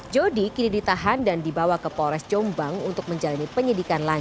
jody kini ditahan dan dibawa ke polres jombang untuk menjalani penyidikan